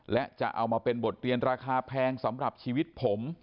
และจะเอามาเป็นบทเรียนราคาแพงสำหรับชีวิตผม